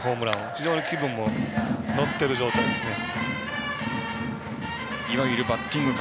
非常に気分も乗っている状態ですね。